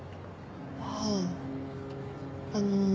はぁあの。